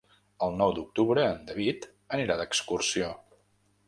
El nou d'octubre en David anirà d'excursió.